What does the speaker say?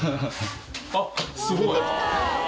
あっすごい！